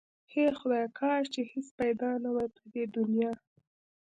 هی خدایا کاش چې هیڅ پیدا نه واي په دی دنیا